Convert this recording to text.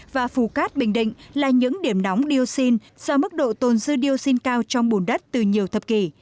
và phú cát bình định là những điểm nóng dioxin do mức độ tồn dư dioxin cao trong bùn đất từ nhiều thập kỷ